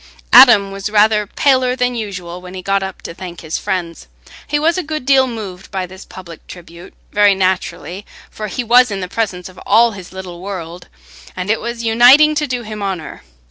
Adam was rather paler than usual when he got up to thank his friends. He was a good deal moved by this public tribute—very naturally, for he was in the presence of all his little world, and it was uniting to do him honour.